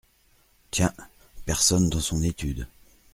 Tiens ! personne dans son étude !